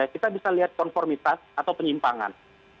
kita bisa lihat konformitas atau penyimpangan